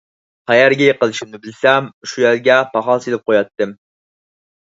قەيەرگە يىقىلىشىمنى بىلسەم، شۇ يەرگە پاخال سېلىپ قوياتتىم.